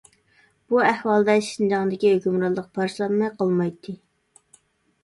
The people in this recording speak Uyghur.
بۇ ئەھۋالدا شىنجاڭدىكى ھۆكۈمرانلىق پارچىلانماي قالمايتتى.